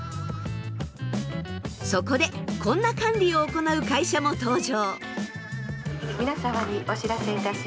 そこでこんな管理を行う会社も登場。